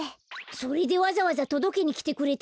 それでわざわざとどけにきてくれたの？